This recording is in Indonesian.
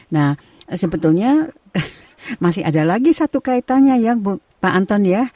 nah sebetulnya masih ada lagi satu kaitannya ya pak anton ya